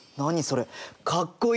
かっこいい！